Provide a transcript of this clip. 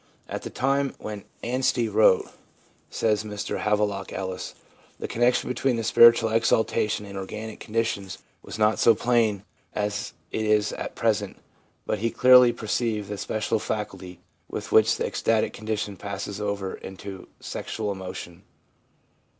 'At the time when Anstie wrote/ says Mr Havelock Ellis, ' the connection between spiritual exaltation and organic conditions was not so plain as it is at present, but he had clearly perceived the special facility with which the ecstatic condition passes over into sexual emotion.